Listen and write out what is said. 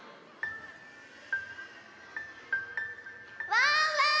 ワンワン！